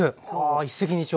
一石二鳥。